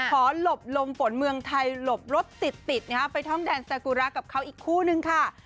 หลบลมฝนเมืองไทยหลบรถติดนะฮะไปท่องแดนซากุระกับเขาอีกคู่นึงค่ะ